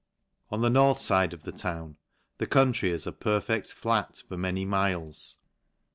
On the north fide of the town, the country is a perfect flat for many miles.